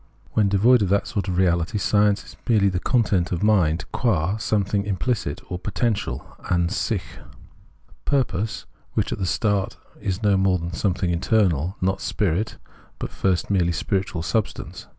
When devoid of that sort of reality, science is merely the content of mind qua something imphcit or potential {an sich) ; Preface 25 purpose whicli at the start is no more than something internal ; not spirit, but at first merely spiritual sub stance.